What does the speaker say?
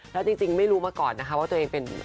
จริงไม่รู้มาก่อนว่าตัวเองเป็น